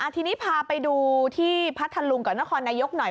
ทีนี้พาไปดูที่พัทธลุงกับนครนายกหน่อย